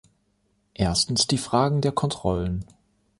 Erstens die Frage der Kontrollen.